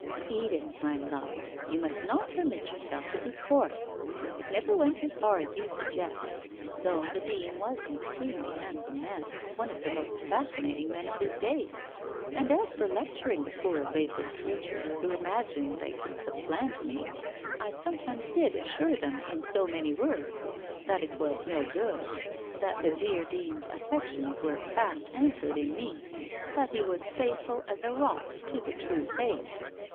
' Edith, my love, you must not permit yourself to be coarse. It never went as far as you suggest, though the Dean was an extremely handsome man, one of the most fascinating men of his day. And as for lecturing the poor vapid creatures who imagined they could supplant me, I sometimes did assure them in so many words that it was no good, that the dear Dean's affections were fast an chored in me, that he was faithful as a rock to the true faith.